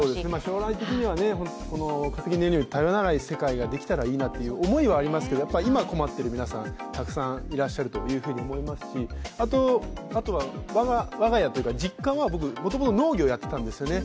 将来的には化石燃料に頼らなければいいなという思いはありますけど、今困っている皆さん、たくさんいらっしゃると思いますし、あとは我が家というか、実家はもともと農業をやっていたんですね。